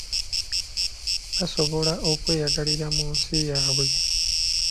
Basobole okweyagalira mu nsi yaabwe.